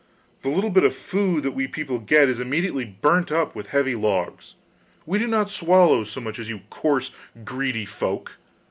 The little bit of food that we people get is immediately burnt up with heavy logs; we do not swallow so much as you coarse, greedy folk.